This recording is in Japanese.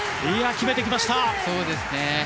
決めてきました！